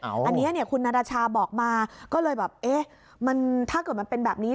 อันนี้คุณนาราชาบอกมาก็เลยแบบเอ๊ะมันถ้าเกิดมันเป็นแบบนี้